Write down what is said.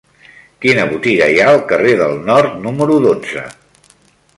Quina botiga hi ha al carrer del Nord número dotze?